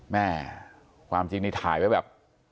แม่ความจริงนี่ถ่ายไว้แบบ